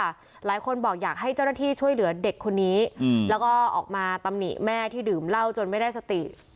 หลายคนบอกอยากให้เจ้าหน้าที่ช่วยเหลือเด็กคนนี้แล้วก็ออกมาตำหนิแม่ที่ดื่มเหล้าจนไม่ได้สติ